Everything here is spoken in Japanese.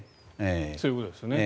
そういうことですよね。